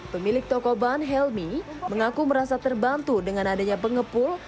pemilik toko ban helmi mengaku merasa terbantu dengan adanya pengepul